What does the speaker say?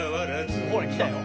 「ほらきたよ」